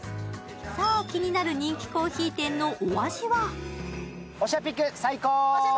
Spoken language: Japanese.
さあ、気になる人気コーヒー店のお味は？